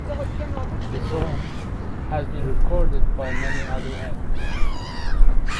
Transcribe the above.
The song has been recorded by many other acts.